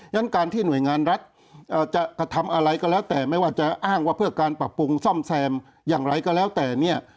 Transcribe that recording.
ฉะนั้นการที่หน่วยงานรัฐจะกระทำอะไรก็แล้วแต่ไม่ว่าจะอ้างว่าเพื่อการปรับปรุงซ่อมแซมอย่างไรก็แล้วแต่เนี่ย